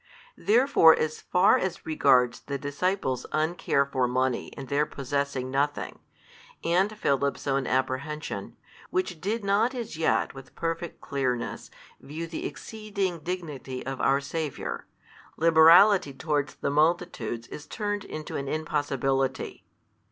Therefore as far as regards the disciples' uncare for money and their possessing nothing, and Philip's own apprehension, which did not as yet with perfect clearness view the exceeding dignity of our Saviour, liberality towards the multitudes is turned into an impossibility.